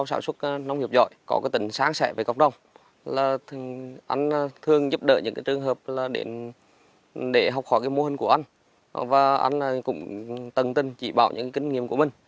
anh đồng thường giúp đỡ những trường hợp để học hỏi mô hình của anh và anh cũng từng từng chỉ bảo những kinh nghiệm của mình